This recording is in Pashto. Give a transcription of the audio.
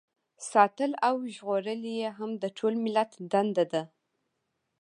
ساتل او ژغورل یې هم د ټول ملت دنده ده.